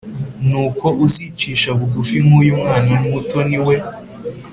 Nuko uzicisha bugufi nk uyu mwana muto ni we